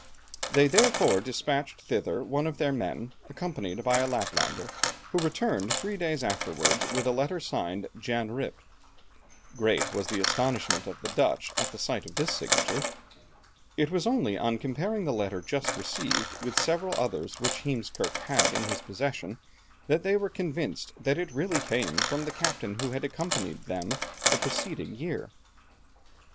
They therefore despatched thither one of their men accompanied by a Laplander, who returned three days afterwards with a letter signed Jan Rijp. Great was the astonishment of the Dutch at the sight of this signature. It was only on comparing the letter just received with several others which Heemskerke had in his possession, that they were convinced that it really came from the captain who had accompanied them the preceding year.